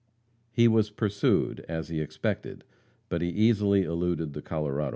He was pursued, as he expected, but he easily eluded the Coloradoans.